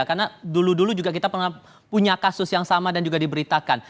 karena dulu dulu juga kita pernah punya kasus yang sama dan juga diberitakan